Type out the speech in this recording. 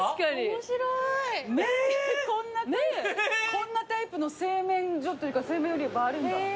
こんなタイプの製麺所というか製麺売り場あるんだ。